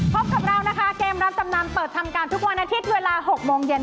พบกับเรานะคะเกมรับจำนำเปิดทำการทุกวันอาทิตย์เวลา๖โมงเย็น